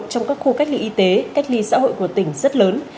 trong các khu cách ly y tế cách ly xã hội của tỉnh rất lớn